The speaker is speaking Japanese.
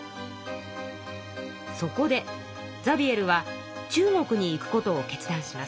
そこでザビエルは中国に行くことを決断します。